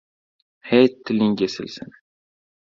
- He, tiling kesilsin!